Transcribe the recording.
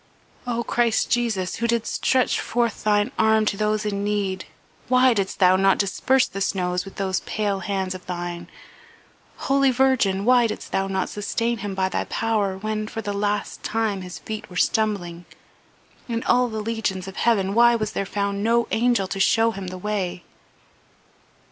"O Christ Jesus, who didst stretch forth Thine arm to those in need, why didst Thou not disperse the snows with those pale hands of Thine? Holy Virgin, why didst Thou not sustain him by Thy power when, for the last time, his feet were stumbling? In all the legions of heaven why was there found no angel to show him the way?"